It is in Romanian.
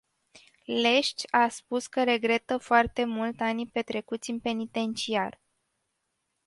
Lesch a spus că regretă foarte mult anii petrecuți în penitenciar.